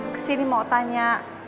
kesini mau tanya